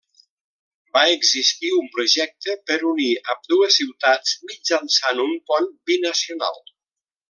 Va existir un projecte per unir ambdues ciutats mitjançant un pont binacional.